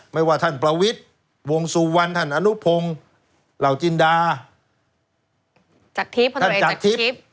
ไม่ว่าท่านประวิทย์วงสุวรรณท่านอนุพงศ์เหล่าจินดาจากทิพย์ท่านจากทิพย์